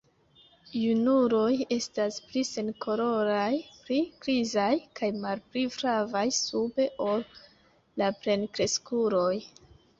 Junuloj estas pli senkoloraj, pli grizaj kaj malpli flavaj sube ol la plenkreskuloj.